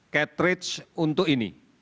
cartridge untuk ini